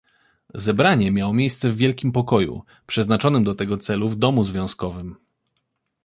"Zebranie miało miejsce w wielkim pokoju, przeznaczonym do tego celu w Domu Związkowym."